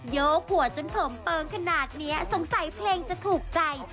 โยกหัวจนผมเปิงขนาดนี้สงสัยเพลงจะถูกใจ